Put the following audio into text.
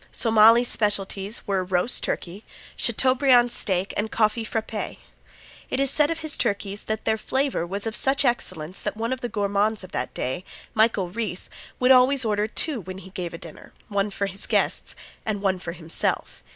Somali's specialties were roast turkey, chateaubriand steak and coffee frappe. It is said of his turkeys that their flavor was of such excellence that one of the gourmands of that day, Michael Reece, would always order two when he gave a dinner one for his guests and one for himself.